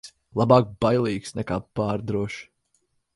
Labāk bailīgs nekā pārdrošs.